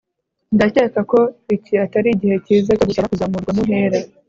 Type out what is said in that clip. Ndakeka ko iki atari igihe cyiza cyo gusaba kuzamurwa mu ntera